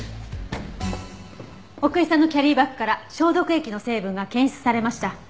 奥居さんのキャリーバッグから消毒液の成分が検出されました。